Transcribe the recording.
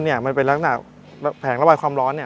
เครื่องยนต์เป็นลักหน่าแผงระบายความร้อน